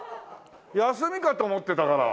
休みかと思ってたから。